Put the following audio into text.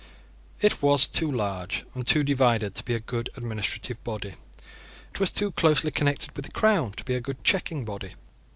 It was too large and too divided to be a good administrative body. It was too closely connected with the Crown to be a good checking body.